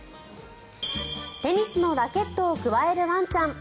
テニスのラケットをくわえるワンちゃん。